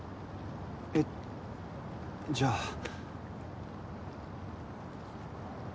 えっ？じゃあ。